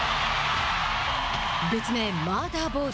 別名「マーダーボール」。